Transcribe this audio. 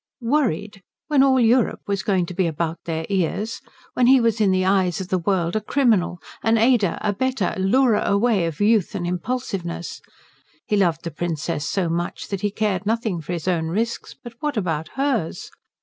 Worried! When all Europe was going to be about their ears? When he was in the eyes of the world a criminal an aider, abettor, lurer away of youth and impulsiveness? He loved the Princess so much that he cared nothing for his own risks, but what about hers?